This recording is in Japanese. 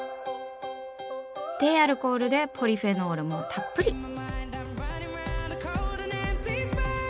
低アルコールでポリフェノールもたっぷり。